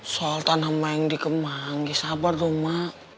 soal tanah ma yang dikembang sabar dong ma